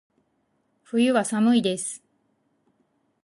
冬は、寒いです。